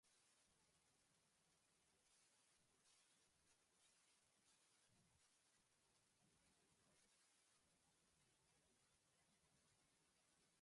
Ronson became the first rock act signed to Roc-A-Fella Records.